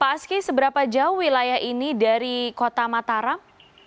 pak aski seberapa jauh wilayah ini dari kota mataram